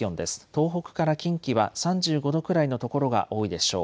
東北から近畿は３５度くらいの所が多いでしょう。